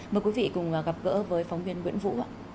mời quý vị cùng gặp gỡ với phóng viên nguyễn vũ ạ